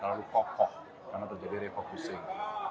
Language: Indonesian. terlalu kokoh karena terjadi refocusing